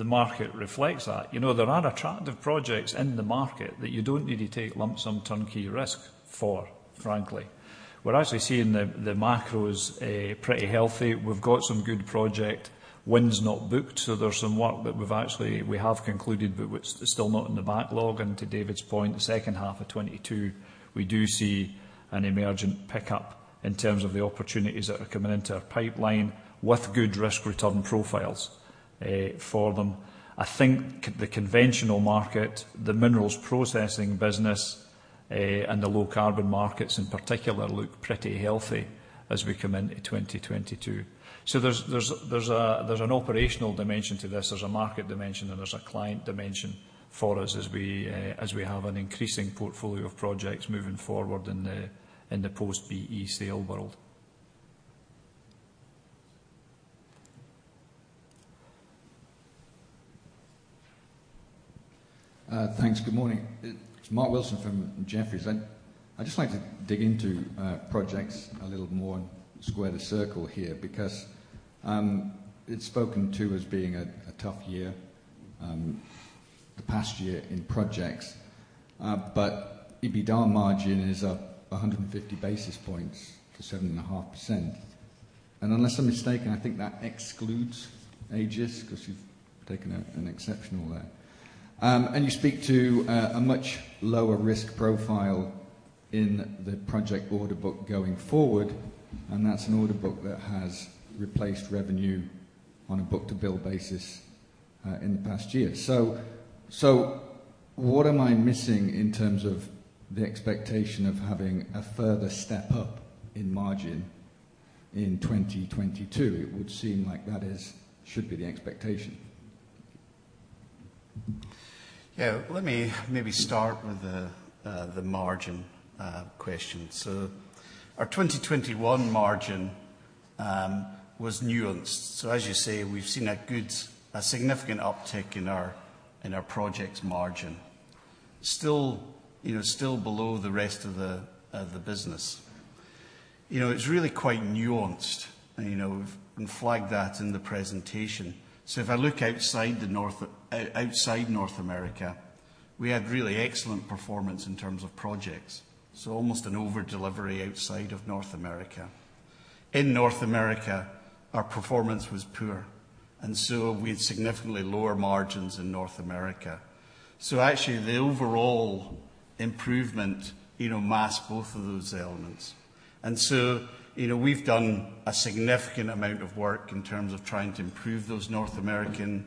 the market reflects that. You know, there are attractive projects in the market that you don't need to take lump-sum turnkey risk for, frankly. We're actually seeing the macros pretty healthy. We've got some good project wins not booked, so there's some work that we've actually concluded, but it's still not in the backlog. To David's point, the second half of 2022, we do see an emergent pickup in terms of the opportunities that are coming into our pipeline with good risk-return profiles for them. I think the conventional market, the minerals processing business, and the low carbon markets in particular look pretty healthy as we come into 2022. There's an operational dimension to this, there's a market dimension, and there's a client dimension for us as we have an increasing portfolio of projects moving forward in the post-BE sale world. Thanks. Good morning. It's Mark Wilson from Jefferies. I'd just like to dig into Projects a little more and square the circle here because it's spoken to as being a tough year, the past year in Projects. But EBITDA margin is up 150 basis points to 7.5%. And unless I'm mistaken, I think that excludes Aegis because you've taken out an exceptional there. And you speak to a much lower risk profile in the Projects order book going forward, and that's an order book that has replaced revenue on a book-to-bill basis in the past year. So what am I missing in terms of the expectation of having a further step up in margin in 2022? It would seem like that is, should be the expectation. Yeah. Let me maybe start with the margin question. Our 2021 margin was nuanced. As you say, we've seen a good, a significant uptick in our project margin. Still, you know, still below the rest of the business. You know, it's really quite nuanced. You know, we've flagged that in the presentation. If I look outside North America, we had really excellent performance in terms of projects. Almost an over-delivery outside of North America. In North America, our performance was poor, and so we had significantly lower margins in North America. Actually, the overall improvement, you know, masked both of those elements. You know, we've done a significant amount of work in terms of trying to improve those North American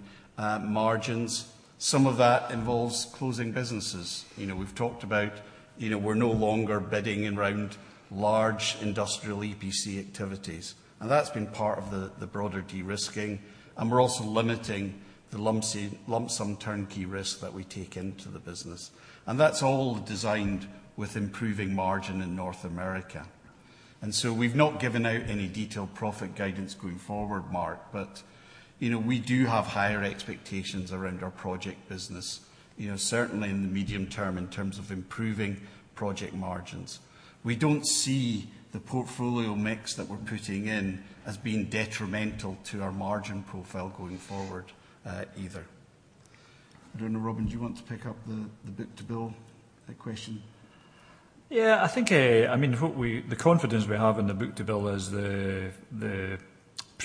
margins. Some of that involves closing businesses. You know, we've talked about, you know, we're no longer bidding on large industrial EPC activities. That's been part of the broader de-risking. We're also limiting the lump-sum turnkey risk that we take into the business. That's all designed with improving margin in North America. We've not given out any detailed profit guidance going forward, Mark, but you know, we do have higher expectations around our project business. You know, certainly in the medium term in terms of improving project margins. We don't see the portfolio mix that we're putting in as being detrimental to our margin profile going forward, either. I don't know, Robin, do you want to pick up the book-to-bill question? Yeah, I think, I mean, what we, the confidence we have in the book-to-bill is the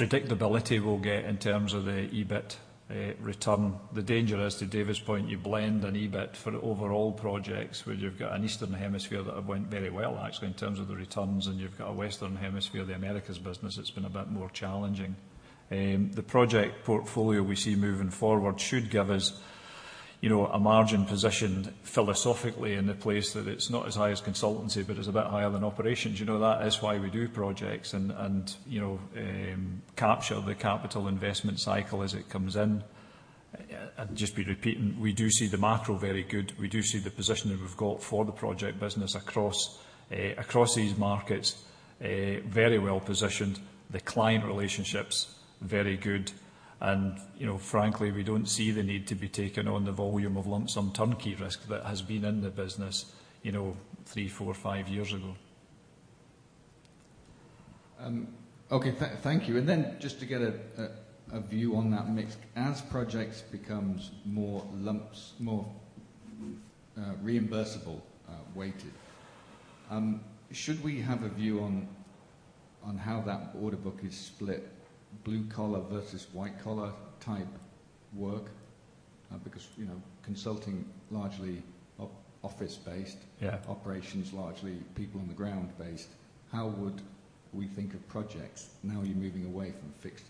predictability we'll get in terms of the EBIT return. The danger is, to David's point, you blend an EBIT for overall projects where you've got an Eastern Hemisphere that went very well actually in terms of the returns, and you've got a Western Hemisphere, the Americas business that's been a bit more challenging. The project portfolio we see moving forward should give us, you know, a margin position philosophically in the place that it's not as high as consultancy but is a bit higher than operations. You know, that is why we do projects and capture the capital investment cycle as it comes in. And just be repeating, we do see the macro very good. We do see the position that we've got for the project business across these markets very well positioned, the client relationships very good. You know, frankly, we don't see the need to be taking on the volume of lump-sum turnkey risk that has been in the business, you know, three, four, five years ago. Thank you. Then just to get a view on that mix. As Projects becomes more lump-sum, more reimbursable weighted, should we have a view on how that order book is split blue collar versus white collar type work? Because, you know, Consulting largely office based- Yeah. Operations largely people on the ground based. How would we think of Projects now you're moving away from fixed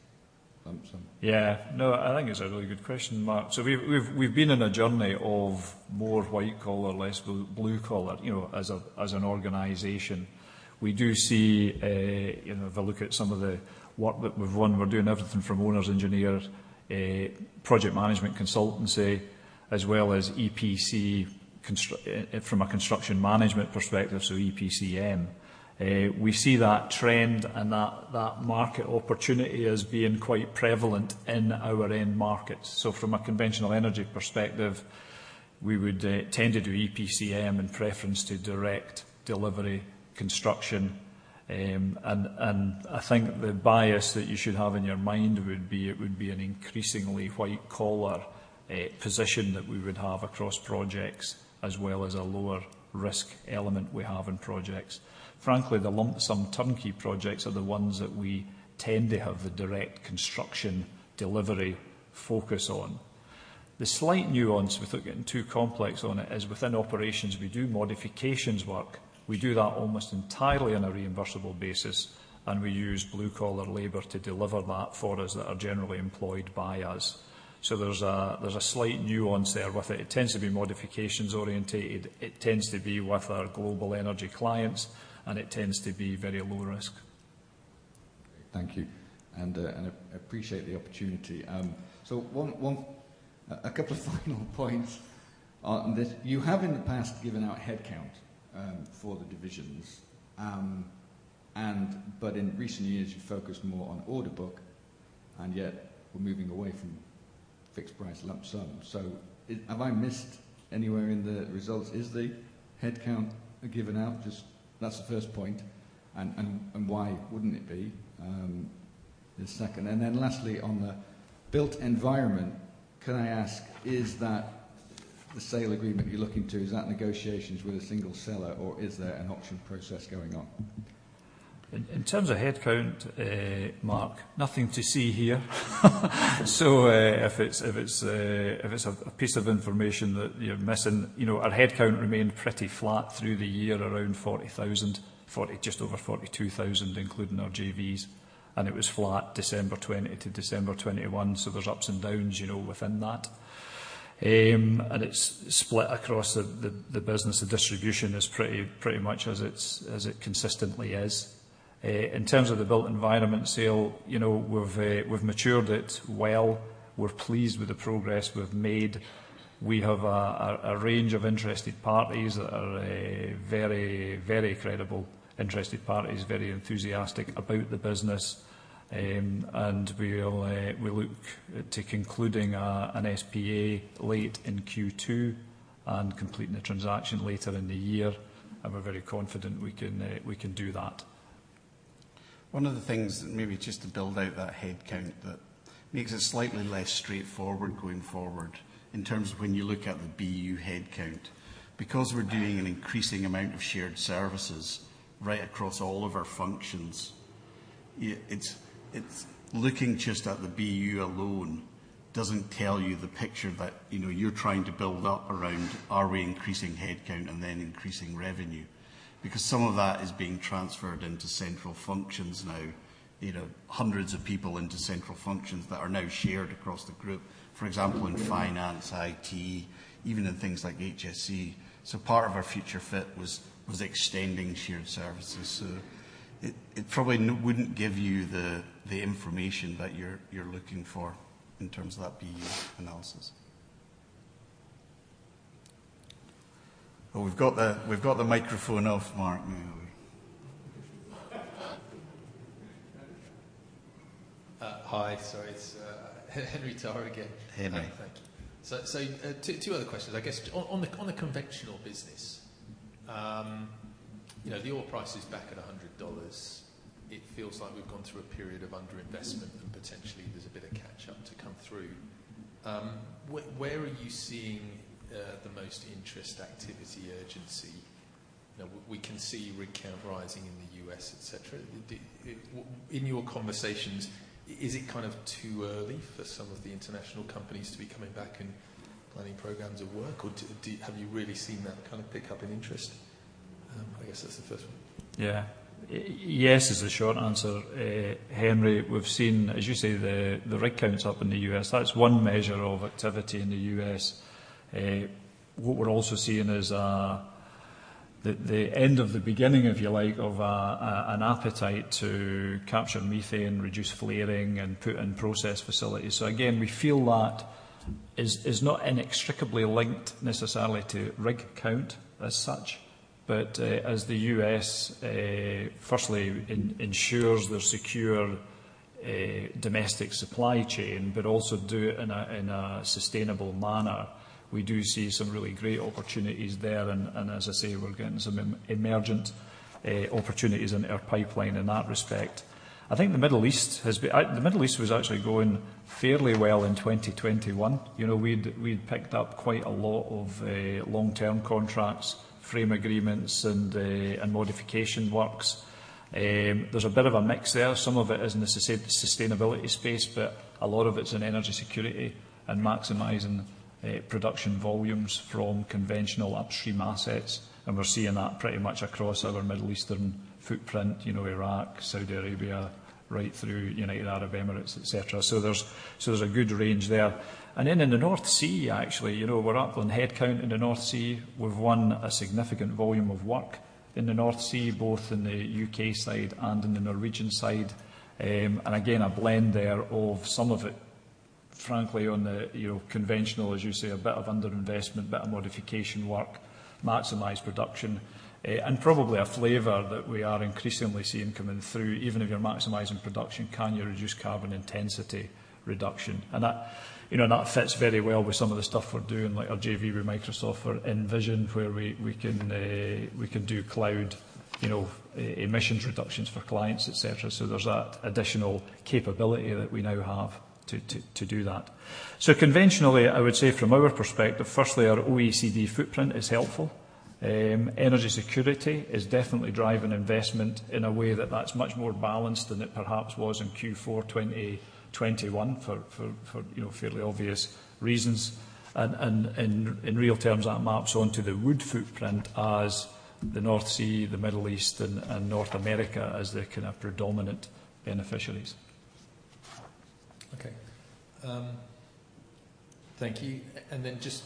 lump-sum? Yeah. No, I think it's a really good question, Mark. We've been on a journey of more white collar, less blue collar, you know, as an organization. We do see, you know, if I look at some of the work that we've won, we're doing everything from owners engineers, project management consultancy as well as EPC from a construction management perspective, so EPCM. We see that trend and that market opportunity as being quite prevalent in our end markets. From a conventional energy perspective, we would tend to do EPCM in preference to direct delivery construction. I think the bias that you should have in your mind would be an increasingly white-collar position that we would have across Projects, as well as a lower risk element we have in Projects. Frankly, the lump-sum turnkey projects are the ones that we tend to have the direct construction delivery focus on. The slight nuance, without getting too complex on it, is within Operations, we do modifications work. We do that almost entirely on a reimbursable basis, and we use blue-collar labor to deliver that for us that are generally employed by us. There's a slight nuance there with it. It tends to be modifications-oriented, it tends to be with our global energy clients, and it tends to be very low risk. Thank you and appreciate the opportunity. A couple of final points on this. You have in the past given out head count for the divisions. In recent years, you focused more on order book, and yet we're moving away from fixed-price lump-sum. Have I missed anywhere in the results? Is the head count given out? That's the first point. Why wouldn't it be? The second. Then lastly, on the Built Environment, can I ask, is that the sale agreement you're looking to? Is that negotiations with a single seller, or is there an auction process going on? In terms of headcount, Mark, nothing to see here. If it's a piece of information that you're missing, you know our headcount remained pretty flat through the year, around 40,000, just over 42,000, including our JVs. It was flat December 2020 to December 2021. There's ups and downs, you know, within that. It's split across the business. The distribution is pretty much as it consistently is. In terms of the Built Environment sale, you know, we've matured it well. We're pleased with the progress we've made. We have a range of interested parties that are very credible interested parties, very enthusiastic about the business. We'll look to concluding an SPA late in Q2 and completing the transaction later in the year. We're very confident we can do that. One of the things, maybe just to build out that head count, that makes it slightly less straightforward going forward in terms of when you look at the BU head count. Because we're doing an increasing amount of shared services right across all of our functions, it's looking just at the BU alone doesn't tell you the picture that, you know, you're trying to build up around are we increasing head count and then increasing revenue. Because some of that is being transferred into central functions now. You know, hundreds of people into central functions that are now shared across the group. For example, in finance, IT, even in things like HSE. So part of our Future Fit was extending shared services. So it probably wouldn't give you the information that you're looking for in terms of that BU analysis. Oh, we've got the microphone off, Mark. Hi. Sorry, it's Henry Tarr again. Henry. Perfect. Two other questions. I guess on the conventional business, you know, the oil price is back at $100. It feels like we've gone through a period of underinvestment, and potentially there's a bit of catch-up to come through. Where are you seeing the most interest, activity, urgency? Now, we can see rig count rising in the U.S., et cetera. In your conversations, is it kind of too early for some of the international companies to be coming back and planning programs of work, or have you really seen that kind of pick up in interest? I guess that's the first one. Yeah. Yes is the short answer, Henry. We've seen, as you say, the rig count's up in the U.S. That's one measure of activity in the U.S. What we're also seeing is the end of the beginning, if you like, of an appetite to capture methane, reduce flaring, and put in process facilities. Again, we feel that is not inextricably linked necessarily to rig count as such. As the U.S. firstly ensures their secure domestic supply chain but also do it in a sustainable manner, we do see some really great opportunities there. As I say, we're getting some emergent opportunities in our pipeline in that respect. I think the Middle East was actually going fairly well in 2021. You know, we'd picked up quite a lot of long-term contracts, framework agreements, and modification works. There's a bit of a mix there. Some of it is in the sustainability space, but a lot of it's in energy security and maximizing production volumes from conventional upstream assets. We're seeing that pretty much across our Middle Eastern footprint, you know, Iraq, Saudi Arabia, right through United Arab Emirates, et cetera. So there's a good range there. In the North Sea, actually, you know, we're up on head count in the North Sea. We've won a significant volume of work in the North Sea, both in the U.K. side and in the Norwegian side. And again, a blend there of some of it. Frankly, on the, you know, conventional, as you say, a bit of under-investment, bit of modification work, maximize production, and probably a flavor that we are increasingly seeing coming through, even if you're maximizing production, can you reduce carbon intensity reduction? That, you know, fits very well with some of the stuff we're doing, like our JV with Microsoft or Envision, where we can do cloud, you know, emissions reductions for clients, et cetera. So there's that additional capability that we now have to do that. So conventionally, I would say from our perspective, firstly, our OECD footprint is helpful. Energy security is definitely driving investment in a way that that's much more balanced than it perhaps was in Q4 2021 for, you know, fairly obvious reasons. In real terms, that maps onto the Wood footprint as the North Sea, the Middle East, and North America as the kind of predominant beneficiaries. Okay. Thank you.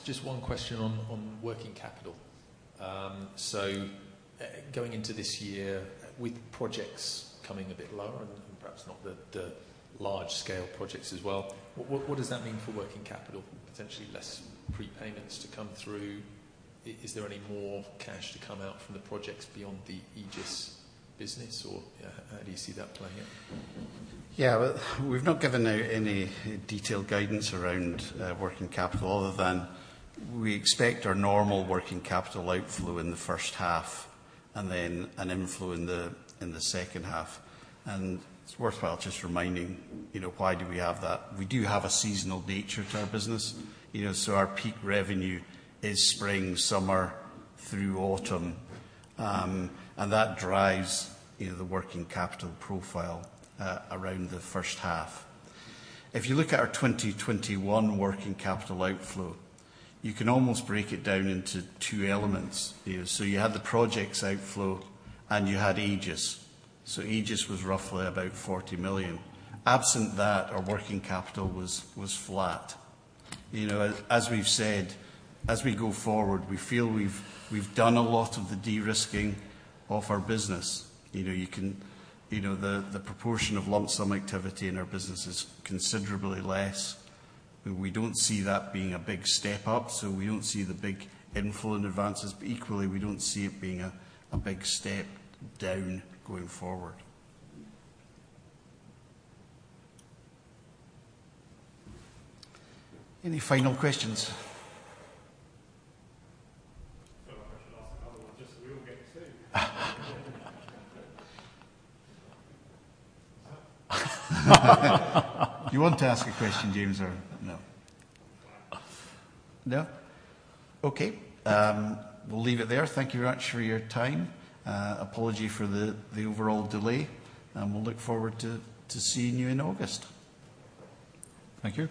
Just one question on working capital. So going into this year with projects coming a bit lower and perhaps not the large scale projects as well, what does that mean for working capital? Potentially less prepayments to come through. Is there any more cash to come out from the projects beyond the Aegis business, or how do you see that playing out? Yeah. We've not given out any detailed guidance around working capital other than we expect our normal working capital outflow in the first half and then an inflow in the second half. It's worthwhile just reminding, you know, why do we have that? We do have a seasonal nature to our business, you know. Our peak revenue is spring, summer, through autumn, and that drives, you know, the working capital profile around the first half. If you look at our 2021 working capital outflow, you can almost break it down into two elements. You have the Projects outflow, and you had Aegis. Aegis was roughly about $40 million. Absent that, our working capital was flat. You know, as we've said, as we go forward, we feel we've done a lot of the de-risking of our business. You know, you can, you know, the proportion of lump-sum activity in our business is considerably less. We don't see that being a big step up, so we don't see the big inflow in advances, but equally, we don't see it being a big step down going forward. Any final questions? I should ask another one just so we all get two. Do you want to ask a question, James, or no? No? Okay. We'll leave it there. Thank you very much for your time. Apology for the overall delay, and we'll look forward to seeing you in August. Thank you.